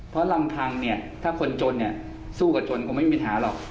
เพราะลำพังเนี่ยถ้าคนจนเนี่ยสู้กับจนคงไม่มีปัญหาหรอก